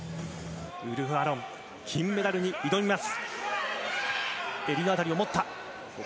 ウルフ・アロン金メダルに挑みます。